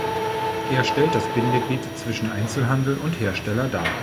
Er stellt das Bindeglied zwischen Einzelhandel und Hersteller dar.